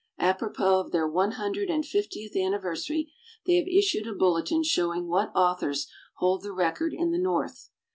Apropos of their one hundred and fiftieth anniversary, they have issued a bulletin showing what authors hold the record in the north.